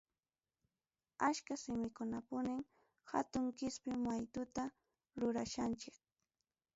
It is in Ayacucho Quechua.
Achka simikunapim hatun qispi maytuta rurachkanchik.